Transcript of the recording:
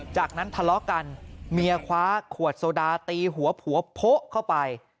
จากนั้นทะเลาะกันเมียคว้าขวดโซดาตีหัวผัวโพะเข้าไป